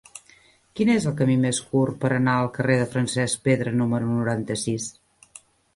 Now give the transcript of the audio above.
Quin és el camí més curt per anar al carrer de Francesc Pedra número noranta-sis?